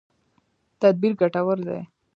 تدبیر ګټور دی.